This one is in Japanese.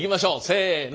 せの。